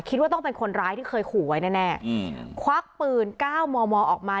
คิดว่าต้องเป็นคนร้ายที่เคยขู่ไว้แน่แน่อืมควักปืนเก้ามอมอออกมา